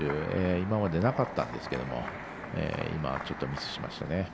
今までなかったんですけれども今、ちょっとミスしましたね。